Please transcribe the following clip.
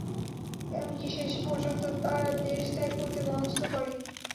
এমনকি শেষ পর্যন্ত তারা দেশ ত্যাগ করতে মনস্থ করে।